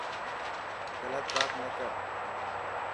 گلت بات نه ڪر.